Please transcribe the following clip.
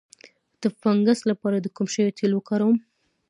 د فنګس لپاره د کوم شي تېل وکاروم؟